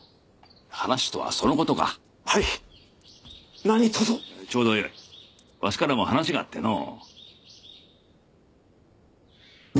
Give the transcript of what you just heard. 話とはそのことかはい何とぞちょうどよいわしからも話があってのう